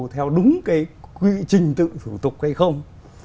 theo đúng cái quy trình tự thủ tục hay không